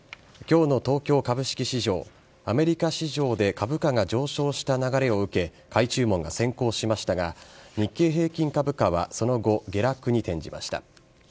今日の東京株式市場アメリカ市場で株価が上昇した流れを受け買い注文が先行しましたが日経平均株価はその後下落に転じました。